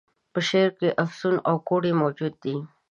په شعر کي افسون او کوډې موجودي دي.